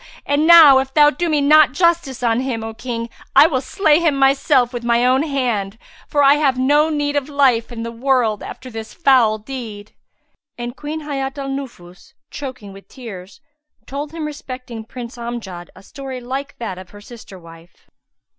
And now if thou do me not justice on him, O King, I will slay myself with my own hand, for I have no need of life in the world after this foul deed." And Queen Hayat al Nufus, choking with tears, told him respecting Prince Amjad a story like that of her sister wife.